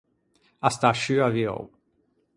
A stà sciù aviou.